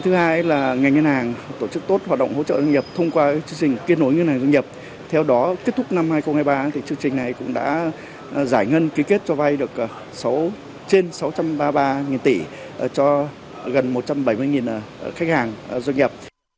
thứ hai là ngành ngân hàng tổ chức tốt hoạt động hỗ trợ doanh nghiệp thông qua chương trình kết nối ngân hàng doanh nghiệp theo đó kết thúc năm hai nghìn hai mươi ba chương trình này cũng đã giải ngân ký kết cho vay được trên sáu trăm ba mươi ba tỷ cho gần một trăm bảy mươi khách hàng doanh nghiệp